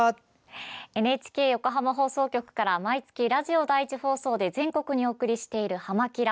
ＮＨＫ横浜放送局から毎月、ラジオ第１放送で全国にお送りしている「はま☆キラ！」。